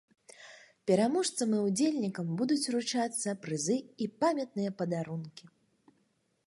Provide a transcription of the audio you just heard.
Пераможцам і ўдзельнікам будуць уручацца прызы і памятныя падарункі.